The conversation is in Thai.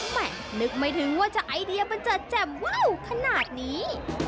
นึกไม่ถึงว่าจะไอเดียมันจะแจ่มเว้าวขนาดนี้